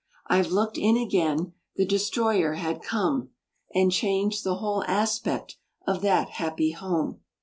I've looked in again, the destroyer had come, And changed the whole aspect of that happy home.